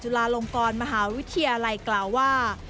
ลาลงกรมหาวิทยาลัยกล่าวว่า